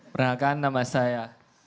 pernahkah nama saya